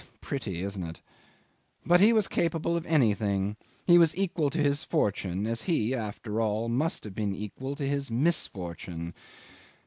Pretty, isn't it? But he was capable of anything. He was equal to his fortune, as he after all must have been equal to his misfortune.